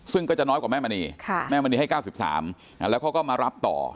ซึ่งก็จะน้อยกว่าแม่มณีค่ะแม่มณีให้เก้าสิบสามอ่าแล้วเขาก็มารับต่อ